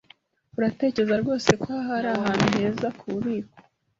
Uratekereza rwose ko aha ari ahantu heza kububiko?